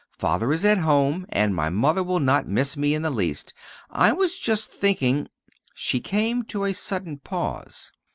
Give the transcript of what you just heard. Father is at home, and my mother will not miss me in the least. I was just thinking " She came to a sudden pause.